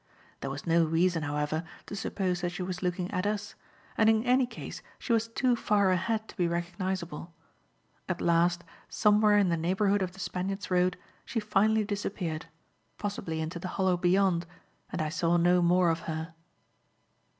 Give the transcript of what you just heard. There was no reason, however, to suppose that she was looking at us, and, in any case, she was too far ahead to be recognizable. At last, somewhere in the neighbourhood of the Spaniard's Road, she finally disappeared, possibly into the hollow beyond, and I saw no more of her.